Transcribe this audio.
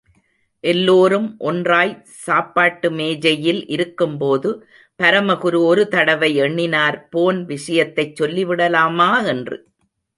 எல்லோரும் ஒன்றாய் சாப்பாட்டு மேஜையில் இருக்கும்போது பரமகுரு ஒரு தடவை எண்ணினார் போன் விஷயத்தைச் சொல்லி விடலாமா என்று.